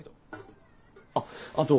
あっあと